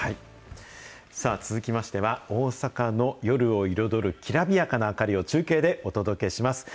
さあ、続きましては、大阪の夜を彩りきらびやかな明かりを中継でお届けします。